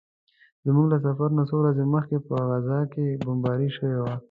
زموږ له سفر نه څو ورځې مخکې په غزه کې بمباري شوې وه.